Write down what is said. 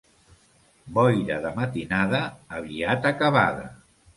Boira de matinada, aviat acabada.